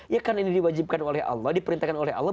ya karena ini diwajibkan oleh allah diperintahkan oleh allah